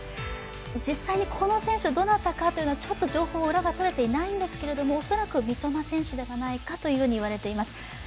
実際にこの選手どなたかというのは情報、裏が取れていないんですけれどもおそらく三笘選手ではないかといわれています。